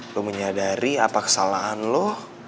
lo menyadari apa kesalahan lo